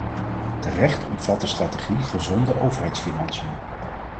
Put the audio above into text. Terecht omvat de strategie gezonde overheidsfinanciën.